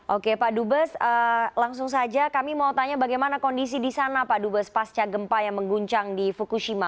oke pak dubes langsung saja kami mau tanya bagaimana kondisi di sana pak dubes pasca gempa yang mengguncang di fukushima